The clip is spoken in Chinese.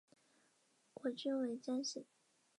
国君为姜姓。